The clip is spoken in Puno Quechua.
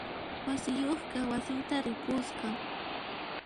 Wach'iyuqqa wasinta ripusqa.